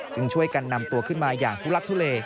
ช่วยกันนำตัวขึ้นมาอย่างทุลักทุเล